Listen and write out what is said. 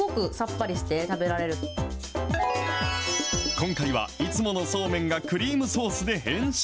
今回は、いつものそうめんがクリームソースで変身。